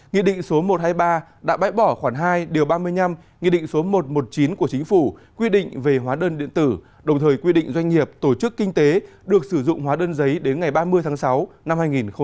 nghị định số một trăm hai mươi ba đã bãi bỏ khoảng hai điều ba mươi năm nghị định số một trăm một mươi chín của chính phủ quy định về hóa đơn điện tử đồng thời quy định doanh nghiệp tổ chức kinh tế được sử dụng hóa đơn giấy đến ngày ba mươi tháng sáu năm hai nghìn một mươi chín